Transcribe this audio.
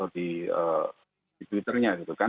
di twitter nya gitu kan